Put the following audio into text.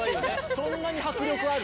そんなに迫力ある？